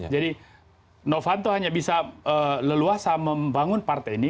jadi novanto hanya bisa leluasa membangun partai ini